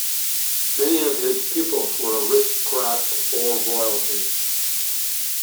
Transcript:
Many of his pupils were aristocrats or royalty.